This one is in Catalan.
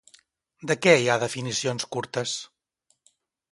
De què hi ha definicions curtes?